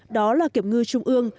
đó là kiểm ngư trung ương